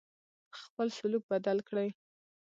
خپل سلوک بدل کړی.